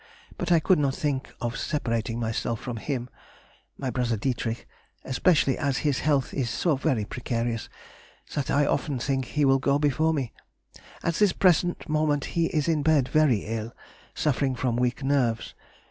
But I could not think of separating myself from him, [her brother Dietrich] especially as his health is so very precarious, that I often think he will go before me. At this present moment he is in bed very ill, suffering from weak nerves.